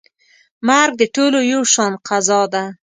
مرګ د ټولو یو شان قضا ده.